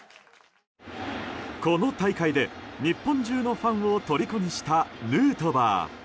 この大会で、日本中のファンをとりこにしたヌートバー。